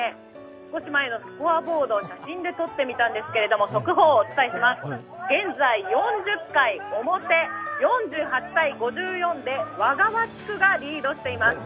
少し前のスコアボード写真で撮ってみたんですけど速報をお伝えします、現在４０回表、４８−５４で和川地区がリードしています。